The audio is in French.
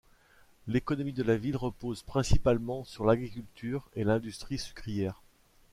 L'économie de la ville repose principalement sur l'agriculture et l'industrie sucrière.